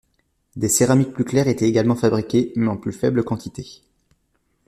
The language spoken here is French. Des céramiques plus claires étaient également fabriquées, mais en plus faibles quantités.